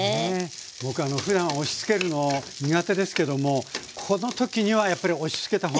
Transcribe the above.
僕ふだん押しつけるの苦手ですけどもこの時にはやっぱり押しつけたほうがいいですかね？